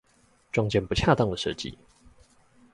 撞見不恰當的設計